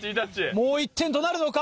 もう１点となるのか？